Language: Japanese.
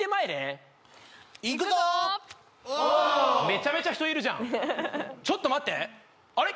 めちゃめちゃ人いるじゃんちょっと待ってあれ？